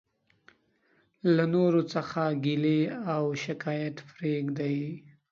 له نورو څخه ګيلي او او شکايت پريږدٸ.